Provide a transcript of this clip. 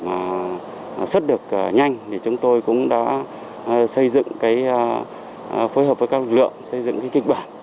để xuất được nhanh thì chúng tôi cũng đã phối hợp với các lực lượng xây dựng kịch bản